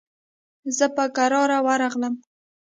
زه به کرار ورغلم.